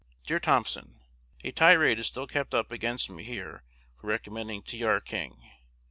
Dear Thompson, A tirade is still kept up against me here for recommending T. R. King.